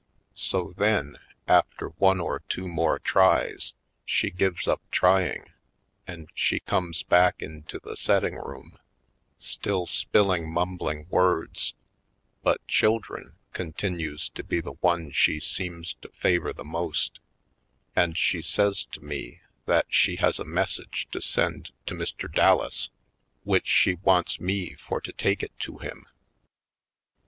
So then, after one or two more tries, she gives up trying and she comes back into the setting room, still spilling mumbling words, but "children" continues to be the one she seems to favor the most, and she says to me that she has a message to send to Mr. Dallas, which she wants me for to take it to him.